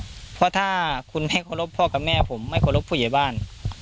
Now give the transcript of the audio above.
อืมเพราะถ้าคุณไม่รับพ่อกับแม่ผมไม่รับผู้ใหญ่บ้าน